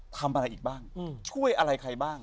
ทำอะไรอีกบ้างช่วยอะไรใครบ้าง